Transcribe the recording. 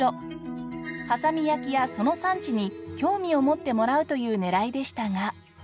波佐見焼やその産地に興味を持ってもらうという狙いでしたが。